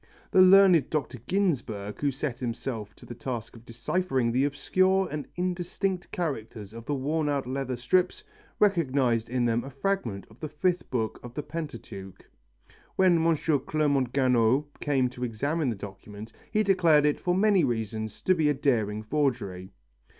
The learned Dr. Ginsburg, who set himself to the task of deciphering the obscure and indistinct characters of the worn out leather strips, recognized in them a fragment of the fifth book of the Pentateuch. When M. Clermont Ganneau came to examine the document he declared it for many reasons to be a daring forgery.